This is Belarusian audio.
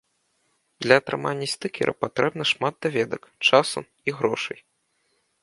Для атрымання стыкера патрэбна шмат даведак, часу і грошай.